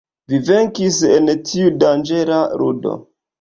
Vi venkis en tiu danĝera ludo.